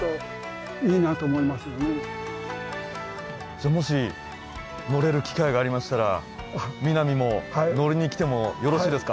じゃあもし乗れる機会がありましたら南も乗りに来てもよろしいですか？